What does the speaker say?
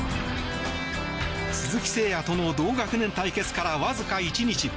鈴木誠也との同学年対決からわずか１日。